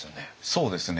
そうですね。